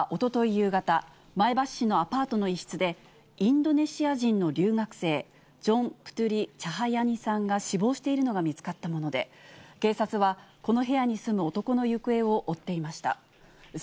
夕方、前橋市のアパートの一室で、インドネシア人の留学生、ジョン・プトゥリ・チャハヤニさんが死亡しているのが見つかったもので、警察はこの部屋に住む男の行方を追っていました。